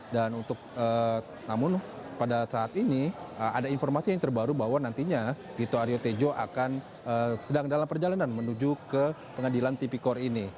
dan untuk namun pada saat ini ada informasi yang terbaru bahwa nantinya dito aryo tejo akan sedang dalam perjalanan menuju ke pengadilan tp core ini